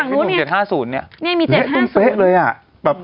เร็กตรงเป๊ะเลยอ่ะ